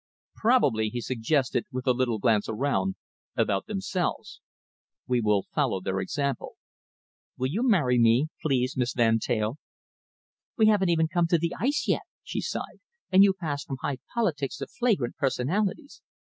"Probably," he suggested, with a little glance around, "about themselves. We will follow their example. Will you marry me, please, Miss Van Teyl?" "We haven't even come to the ice yet," she sighed, "and you pass from high politics to flagrant personalities.